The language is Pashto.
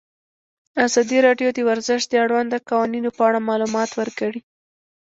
ازادي راډیو د ورزش د اړونده قوانینو په اړه معلومات ورکړي.